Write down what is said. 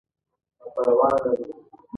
مونږ هم فرعون سره یو مخامخ ای لویه خدایه.